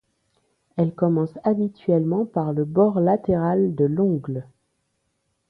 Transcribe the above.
Elle commence habituellement par le bord latéral de l'ongle.